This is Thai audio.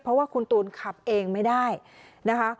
เพราะว่าคุณตูนขับเองไม่ได้นะคะ